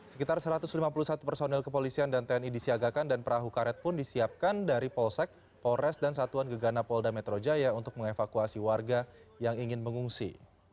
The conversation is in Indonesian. sekitar satu ratus lima puluh satu personil kepolisian dan tni disiagakan dan perahu karet pun disiapkan dari polsek polres dan satuan gegana polda metro jaya untuk mengevakuasi warga yang ingin mengungsi